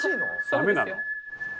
ダメなの？